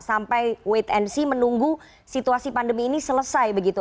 sampai wait and see menunggu situasi pandemi ini selesai begitu